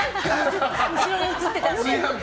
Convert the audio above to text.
後ろに写ってたので。